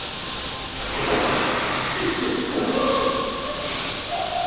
びっくりしたな。